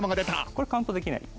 これカウントできない。